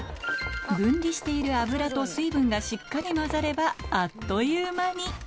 分離している油と水分がしっかり混ざればあっという間に完成？